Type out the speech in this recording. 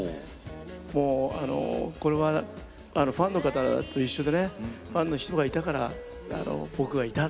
もうこれはファンの方と一緒でねファンの人がいたから僕がいた。